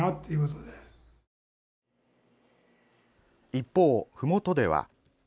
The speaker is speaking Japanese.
一方、ふもとでは。